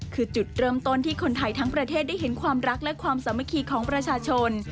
คือจุดเริ่มต้นที่คนไทยทั้งประเทศได้เห็นความรักและความสามัคคีของประชาชน